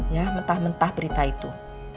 ya mentah mentah berita itu